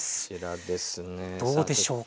どうでしょうか？